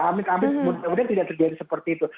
amit amit kemudian tidak terjadi seperti itu